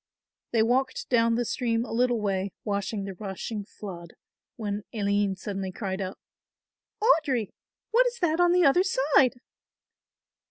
They walked down the stream a little way watching the rushing flood, when Aline suddenly cried out, "Audry, what is that on the other side?"